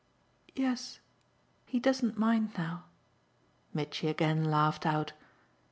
"Yes he doesn't mind now." Mitchy again laughed out.